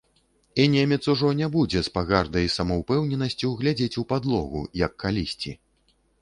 І немец ужо не будзе з пагардай і самаўпэўненасцю глядзець у падлогу, як калісьці.